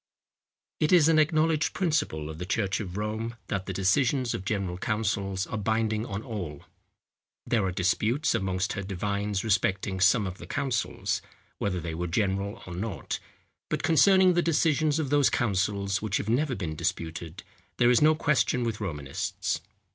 It is an acknowledged principle of the church of Rome, that the decisions of general councils are binding on all. There are disputes amongst her divines respecting some of the councils, whether they were general, or not; but concerning the decisions of those councils which have never been disputed, there is no question with Romanists.